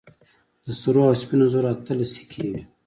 د سرو او سپينو زرو اتلس سيکې وې.